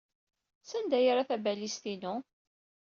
Sanda ay yerra tabalizt-inu?